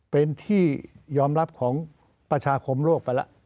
เป็นที่ยอมรับของประชาคมโลกไปแล้ว